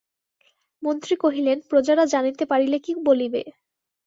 মন্ত্রী কহিলেন, প্রজারা জানিতে পারিলে কী বলিবে?